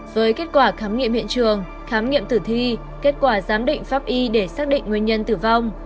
với kết quả khám nghiệm hiện trường khám nghiệm tử thi kết quả giám định pháp y để xác định nguyên nhân tử vong